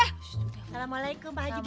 assalamualaikum pak haji baaji